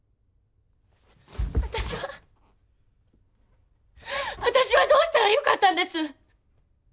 私は私はどうしたらよかったんです？